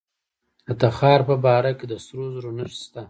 د تخار په بهارک کې د سرو زرو نښې شته.